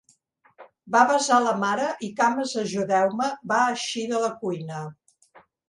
Va besar la mare i cames ajudeu-me, va eixir de la cuina.